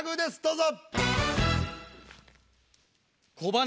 どうぞ。